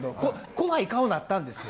怖い顔になったんです。